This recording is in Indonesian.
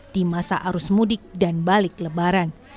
di masa arus mudik dan balik lebaran